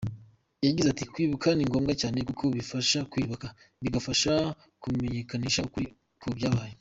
Yagize ati ‘‘Kwibuka ni ngombwa cyane, kuko bifasha kwiyubaka, bikanafasha kumenyekanisha ukuri ku byabaye.